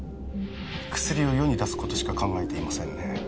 薬を世に出すことしか考えていませんね